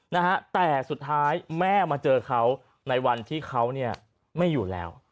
นะฮะแต่สุดท้ายแม่มาเจอเขาในวันที่เขาเนี่ยไม่อยู่แล้ว